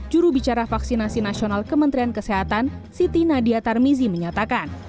jurubicara vaksinasi nasional kementerian kesehatan siti nadia tarmizi menyatakan